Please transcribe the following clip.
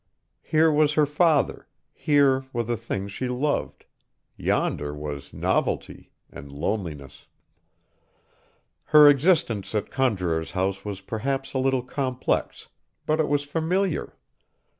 Here was her father, here were the things she loved; yonder was novelty and loneliness. Her existence at Conjuror's House was perhaps a little complex, but it was familiar.